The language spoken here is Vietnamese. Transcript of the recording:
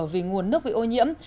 vì nguồn nước bị ô nhiễm